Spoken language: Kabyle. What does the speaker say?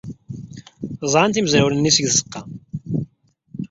Ẓẓɛent imezrawen-nni seg tzeɣɣa.